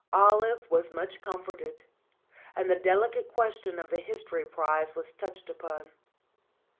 Olive was much comforted, and the delicate question of the history prize was touched upon.